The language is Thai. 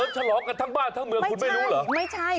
ฉลองกันทั้งบ้านทั้งเมืองคุณไม่รู้เหรอ